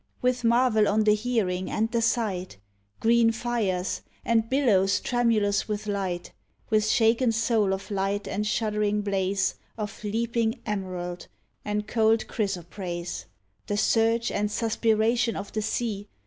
With marvel on the hearing and the sight — Green fires, and billows tremulous with light. With shaken soul of light and shuddering blaze Of leaping emerald and cold chrysoprase, — The surge and suspiration of the sea.